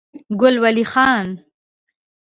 ګل ولي خان